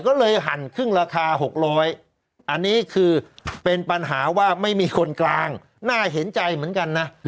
ก็เลยหั่นครึ่งราคา๖๐๐อันนี้คือเป็นปัญหาว่าไม่มีคนกลางน่าเห็นใจเหมือนกันนะ